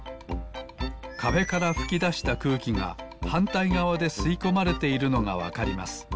かべからふきだしたくうきがはんたいがわですいこまれているのがわかります。